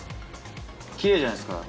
キレイじゃないですか。